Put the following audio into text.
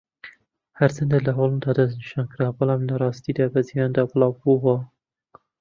ھەرچەندە لە ھۆلەندا دەستنیشانکرا بەڵام لەڕاستیدا بە جیھاندا بڵاوببۆوە.